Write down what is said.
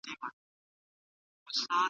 عدالت به موږ له کومه ځایه غواړو